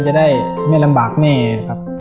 จะได้ไม่ลำบากแม่ครับ